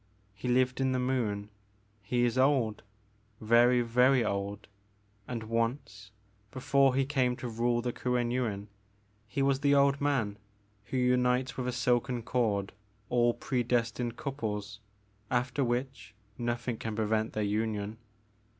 He lived in the Moon. He is old — very, very old, and once, before he came to rule the Kuen Yuin, he was the old man who unites with a silken cord all predestined couples, after which nothing can prevent their union.